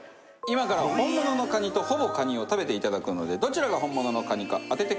今から本物のカニとほぼカニを食べていただくのでどちらが本物のカニか当ててください。